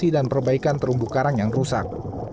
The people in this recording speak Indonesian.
dan juga untuk memperbaikan terumbu karang yang rusak